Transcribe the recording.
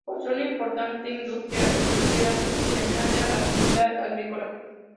Posee una importante industria pesquera, que se añade a la actividad agrícola.